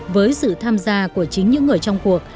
với sự tham gia của chính những người trong cuộc